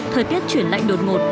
thời tiết chuyển lạnh đột ngột